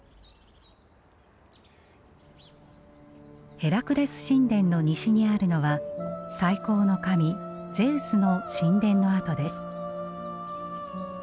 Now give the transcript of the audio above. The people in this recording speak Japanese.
ヘラクレス神殿の西にあるのは最高の神ゼウスの神殿の跡です。